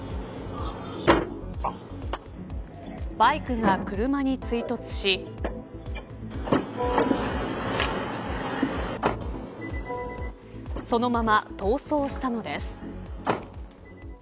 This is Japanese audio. バイクが車に追突しそのまま逃走したのです。